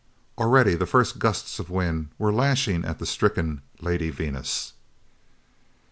Already, the first gusts of wind were lashing at the stricken Lady Venus.